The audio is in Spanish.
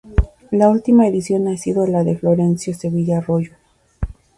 La última edición ha sido la de Florencio Sevilla Arroyo.